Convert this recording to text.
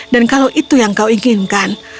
dan kalau itu yang kau inginkan